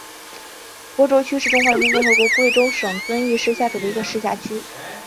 播州区是中华人民共和国贵州省遵义市下属的一个市辖区。